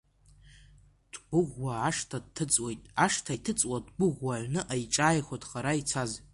Дгәыӷуа ашҭа дҭыҵуеит ашҭа иҭыҵуа, дгәыӷуа аҩныҟа иҿааихоит хара ицаз.